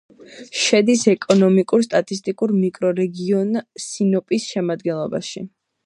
შედის ეკონომიკურ-სტატისტიკურ მიკრორეგიონ სინოპის შემადგენლობაში.